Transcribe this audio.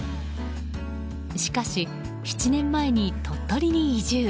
しかし７年前に鳥取に移住。